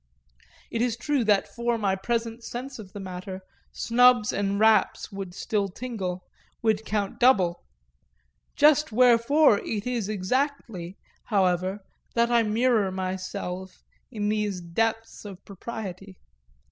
It is true that for my present sense of the matter snubs and raps would still tingle, would count double; just wherefore it is exactly, however, that I mirror myself in these depths of propriety.